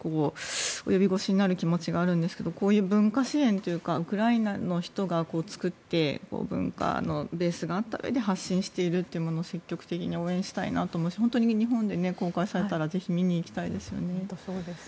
及び腰になる気持ちがあるんですがこういう文化支援というかウクライナの人が作って文化のベースがあって発信しているものを積極的に応援したいと思うし本当に日本で公開されたらぜひ見に行きたいですね。